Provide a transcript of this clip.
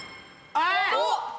あっ！